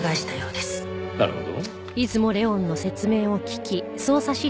なるほど。